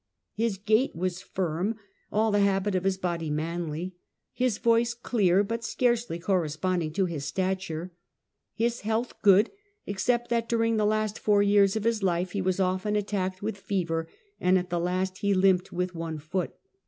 " His gait was firm, all the habit of his body manly ; his voice clear but scarcely corresponding his stature ; his health good, except that during the ast four years of his life he was often attacked with fever, and at the last he limped with one foot.